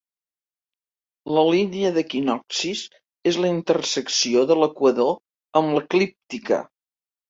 La Línia d'equinoccis és la intersecció de l'equador amb l'eclíptica.